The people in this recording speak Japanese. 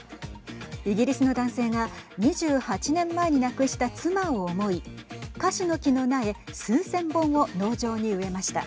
イギリスの男性が２８年前に亡くした妻を思いかしの木の苗数千本を農場に植えました。